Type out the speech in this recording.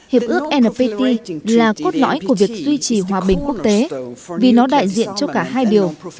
hiệp ước npt là cốt lõi của việc duy trì hòa bình quốc tế vì nó đại diện cho cả hai điều